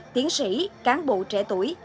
tiến sĩ cán bộ trẻ tuổi